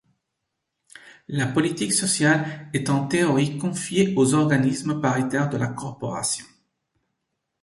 La politique sociale est en théorie confiée aux organismes paritaires de la corporation.